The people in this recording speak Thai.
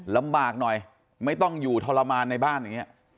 ลำบากหน่อยไม่ต้องอยู่ทรมานในบ้านอย่างนี้